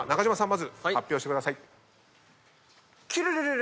まず発表してください。